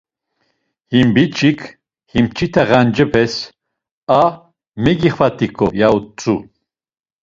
Ar biç̌ik “him mç̌ita ğancepes a megixvat̆iǩo” ya utzu.